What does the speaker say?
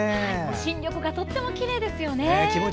新緑がとってもきれいですよね。